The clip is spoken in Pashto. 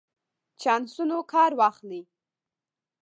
چانسونو کار واخلئ.